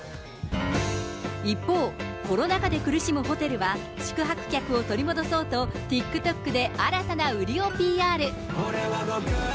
一方、コロナ禍で苦しむホテルは、宿泊客を取り戻そうと、ＴｉｋＴｏｋで新たな売りをＰＲ。